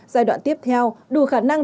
giai đoạn tiếp theo đủ khả năng